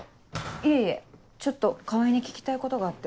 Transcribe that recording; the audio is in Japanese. いえいえちょっと川合に聞きたいことがあって。